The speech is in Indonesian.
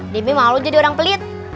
demi malu jadi orang pelit